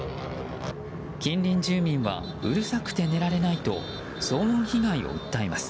近隣住民はうるさくて寝られないと騒音被害を訴えます。